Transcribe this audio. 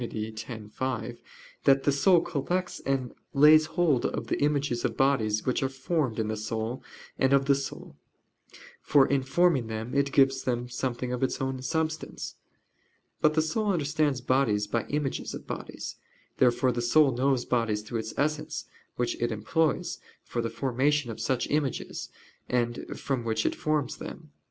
x, 5) that the soul "collects and lays hold of the images of bodies which are formed in the soul and of the soul: for in forming them it gives them something of its own substance." But the soul understands bodies by images of bodies. Therefore the soul knows bodies through its essence, which it employs for the formation of such images, and from which it forms them.